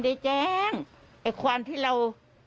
ได้แจ้งไอ้ความที่เรา